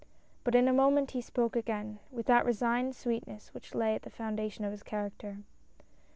But in a moment he spoke again, with that resigned sweetness which lay at the foundation of his character.